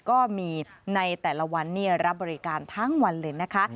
ก็มีในแต่ละวันรับบริการทั้งวันเลยนะคะ